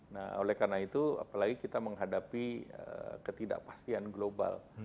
nah oleh karena itu apalagi kita menghadapi ketidakpastian global